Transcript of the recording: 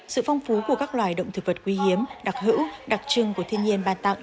sự phong phú của các loài động thực vật quý hiếm đặc hữu đặc trưng của thiên nhiên bàn tặng